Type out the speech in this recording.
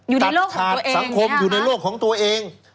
อยู่ในโลกของตัวเองตัดทาบสังคมอยู่ในโลกของตัวเอง